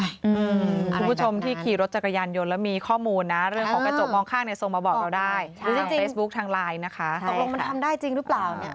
มันน่าจะต้องแต่รู้สึกว่ามันน่าจะต้องใหญ่กว่านี้อ่ะ